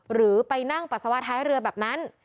หรือไปนั่งปัสสาวะท้ายเรือแบบนั้น